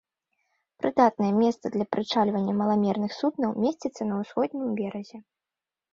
Прыдатнае месца для прычальвання маламерных суднаў месціцца на усходнім беразе.